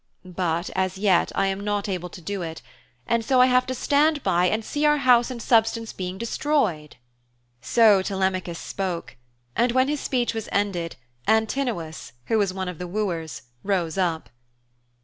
But as yet I am not able to do it, and so I have to stand by and see our house and substance being destroyed.' So Telemachus spoke, and when his speech was ended Antinous, who was one of the wooers, rose up.